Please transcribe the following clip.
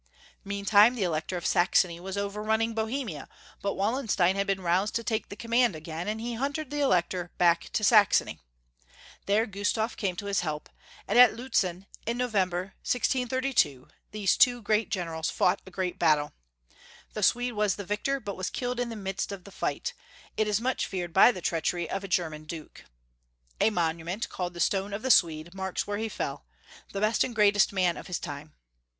Meantime the Elector of Saxony was overrun ning Bohemia, but Wallenstein had been roused to take the command again, and he hunted the Elec tor back to Saxony. There Gustaf came to his help, and at Lutzen, in November, 1632, these two great generals fought a great battle. The Swede was the victor, but was killed in the midst of the fight, it is much feared by the treachery of a Ger man Duke. A monument, called the Stone of the Swede, marks where he fell — the best and great est man of his time.